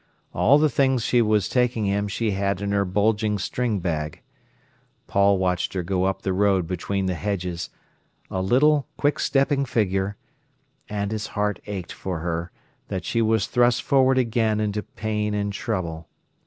All the things she was taking him she had in her bulging string bag. Paul watched her go up the road between the hedges—a little, quick stepping figure, and his heart ached for her, that she was thrust forward again into pain and trouble.